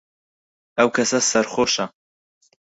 ئەو کەسە سەرخۆشە.